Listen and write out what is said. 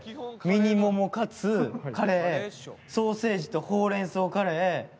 ミニももカツカレーソーセージとほうれん草カレー。